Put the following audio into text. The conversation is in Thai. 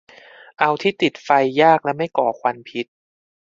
เอาที่ติดไฟยากและไม่ก่อควันพิษ